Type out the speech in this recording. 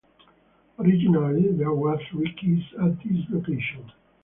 Originally, there were three keys at this location.